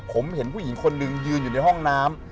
ผมเห็นผู้หญิงคนหนึ่งยืนอยู่ในห้องน้ำ